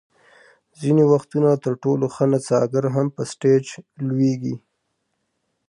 ځینې وختونه تر ټولو ښه نڅاګر هم په سټېج لویږي.